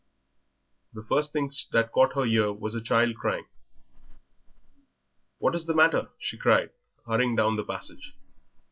The first thing that caught her ear was her child crying. "What is the matter?" she cried, hurrying down the passage.